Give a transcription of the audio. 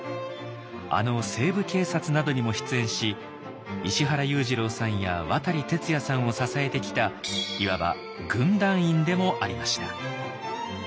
あの「西部警察」などにも出演し石原裕次郎さんや渡哲也さんを支えてきたいわば軍団員でもありました。